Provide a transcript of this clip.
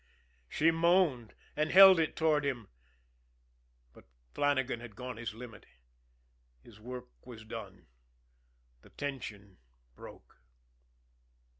She moaned and held it toward him but Flannagan had gone his limit, his work was done, the tension broke.